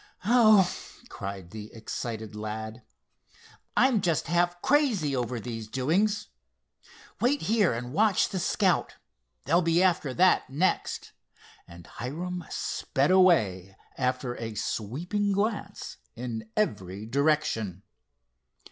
Oh!" cried the excited lad, "I'm just half crazy over these doings! Wait here and watch the Scout. They'll be after that next," and Hiram sped away, after a sweeping glance in every direction.